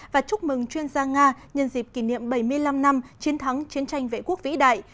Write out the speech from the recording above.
và chúc mừng chuyên gia nga nhân dịp kỷ niệm bảy mươi năm năm chiến thắng chiến tranh vệ quốc vĩ đại